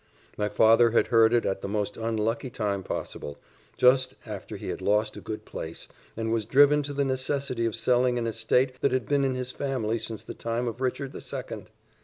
My father had heard it at the most unlucky time possible, just after he had lost a good place, and was driven to the necessity of selling an estate that had been in his family since the time of Richard the Second.